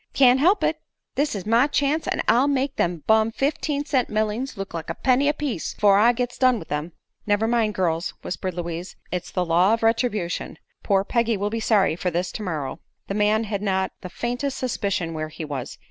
"Can't help it; this is my chance, an' I'll make them bum fifteen cent mellings look like a penny a piece afore I gits done with 'em." "Never mind, girls," whispered Louise. "It's the law of retribution. Poor Peggy will be sorry for this tomorrow." The man had not the faintest suspicion where he was.